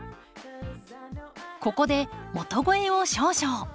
ここで元肥を少々。